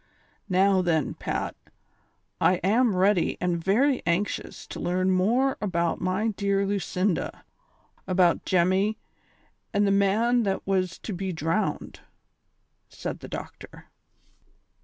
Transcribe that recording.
Now, then, Pat, I am ready and very anxious to learn more about my dear Lu cinda, about Jemmy and the man that wns to be drowned," said the doctor.